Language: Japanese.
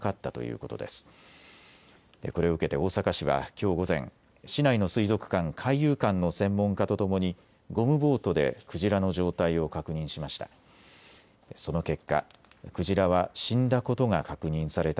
これを受けて大阪市はきょう午前、市内の水族館、海遊館の専門家とともにゴムボートでクジラの状態を確認しました。